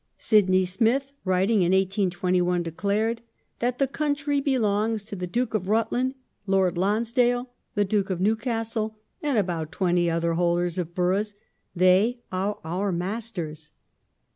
Sydney Smith, writing in 1821, declared that " the country belongs to the Duke of Rutland, Lord Lonsdale, the Duke of Newcastle, and about twenty other holders of boroughs. They are our masters."